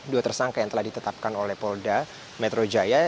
dua tersangka yang telah ditetapkan oleh polda metro jaya